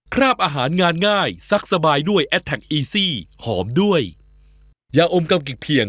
คราบอาหารงานง่ายซักสบายด้วยแอดแท็กอีซี่หอมด้วยยาอมกำกิกเพียง